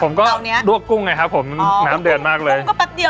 ผมก็ลวกกุ้งไงครับผมน้ำเดือดมากเลย